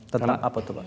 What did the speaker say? tentang apa itu pak